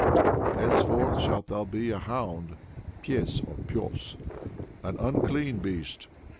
Henceforward shalt thou be a Hound (Pes, or Pyos), an unclean beast.